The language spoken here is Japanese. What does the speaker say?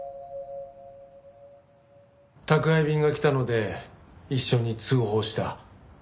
宅配便が来たので一緒に通報した。